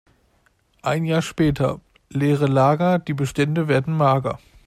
Ein Jahr später: Leere Lager, die Bestände werden mager.